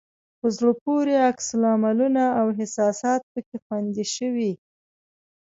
په زړه پورې عکس العملونه او احساسات پکې خوندي شوي.